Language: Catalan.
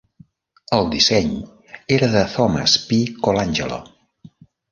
El disseny era de Thomas P. Colangelo.